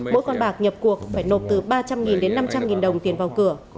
mỗi con bạc nhập cuộc phải nộp từ ba trăm linh đến năm trăm linh đồng tiền vào cửa